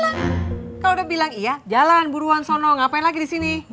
kalau udah bilang iya jalan buruan sono ngapain lagi di sini